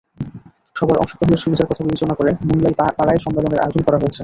সবার অংশগ্রহণের সুবিধার কথা বিবেচনা করে মুনলাই পাড়ায় সম্মেলনের আয়োজন করা হয়েছে।